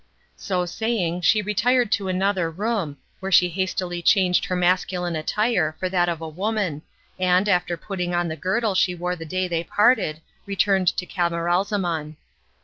So saying she retired to another room, where she hastily changed her masculine attire for that of a woman, and, after putting on the girdle she wore the day they parted, returned to Camaralzaman.